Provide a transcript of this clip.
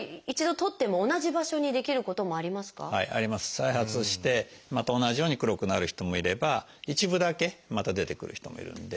再発をしてまた同じように黒くなる人もいれば一部だけまた出てくる人もいるんで。